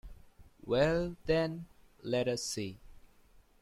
Well, then, let us see.